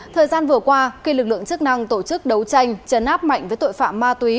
thời gian vừa qua khi lực lượng chức năng tổ chức đấu tranh chấn áp mạnh với tội phạm ma túy